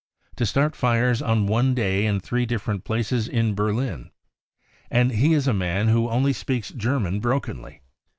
To start fires on one day in three different places in Berlin ! And he is a man who only speaks German brokenly.